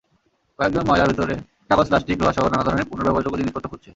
কয়েকজন ময়লার ভেতরে কাগজ, প্লাস্টিক, লোহাসহ নানা ধরনের পুনর্ব্যবহারযোগ্য জিনিসপত্র খুঁজছে।